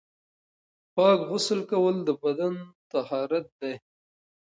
پاک غسل کول د بدن طهارت دی.